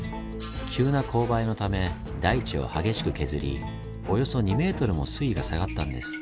急な勾配のため大地を激しく削りおよそ２ｍも水位が下がったんです。